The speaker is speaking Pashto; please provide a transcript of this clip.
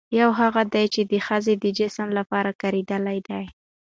يوهغه دي، چې د ښځې د جسم لپاره کارېدلي دي